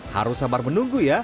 harus sabar menunggu ya